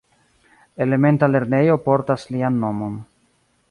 Elementa lernejo portas lian nomon.